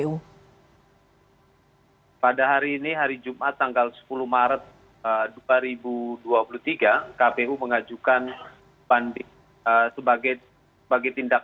hai pada hari ini hari jumat tanggal sepuluh maret dua ribu dua puluh tiga kpu mengajukan banding sebagai sebagai tindak